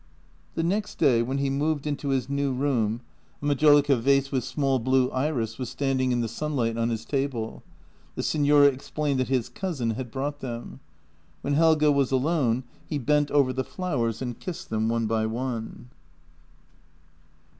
The next day when he moved into his new room a majolica vase with small blue iris was standing in the sunlight on his table. The signora explained that his " cousin " had brought them. When Helge was alone he bent over the flowers and kissed them one by one.